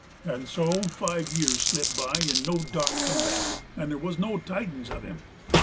And so five years slipped by 'nd no Dock come back, 'nd there wuz no tidin's uv him.